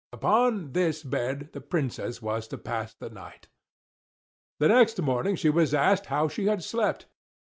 Upon this bed the Princess was to pass the night. The next morning she was asked how she had slept.